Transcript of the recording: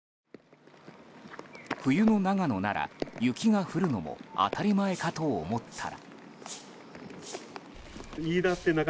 冬の長野なら、雪が降るのも当たり前かと思ったら。